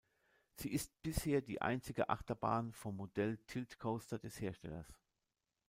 Sie ist bisher die einzige Achterbahn vom Modell "Tilt Coaster" des Herstellers.